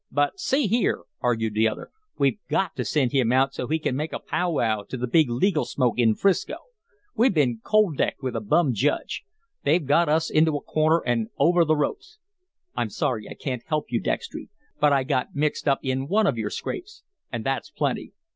"But, see here," argued the other, "we've GOT to send him out so he can make a pow wow to the big legal smoke in 'Frisco. We've been cold decked with a bum judge. They've got us into a corner an' over the ropes." "I'm sorry I can't help you, Dextry, but I got mixed up in one of your scrapes and that's plenty."